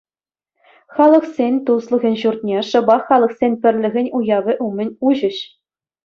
Халӑхсен туслӑхӗн ҫуртне шӑпах Халӑхсен пӗрлӗхӗн уявӗ умӗн уҫӗҫ.